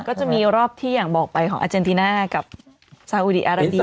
ก็จะมีรอบที่อย่างบอกไปของอาเจนติน่ากับซาอุดีอาราเบีย